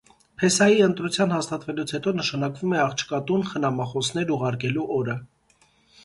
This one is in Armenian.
Փեսայի ընտրության հաստատվելուց հետո նշանակվում է աղջկա տուն խնամախոսներ ուղարկելու օրը։